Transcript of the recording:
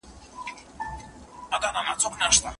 لکه لوبغاړی ضرورت کې په سر بال وهي